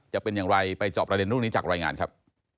จะเป็นอย่างไรไปจอบประเด็นเรื่องนี้จากรายงานครับ